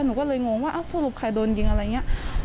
หนูก็เลยงงว่าสรุปใครโดนยิงอะไรอย่างนี้